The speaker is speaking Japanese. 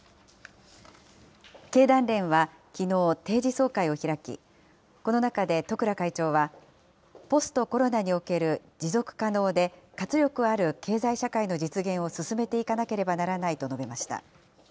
経団連はきのう、定時総会を開き、この中で十倉会長は、ポストコロナにおける持続可能で、活力ある経済社会の実現を進めていかなければならないと述べました。